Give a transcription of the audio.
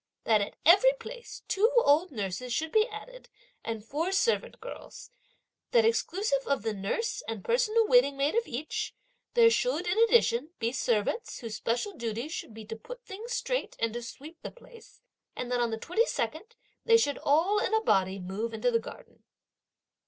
That at every place two old nurses should be added and four servant girls; that exclusive of the nurse and personal waiting maid of each, there should, in addition, be servants, whose special duties should be to put things straight and to sweep the place; and that on the 22nd, they should all, in a body, move into the garden."